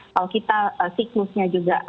kalau kita siklusnya juga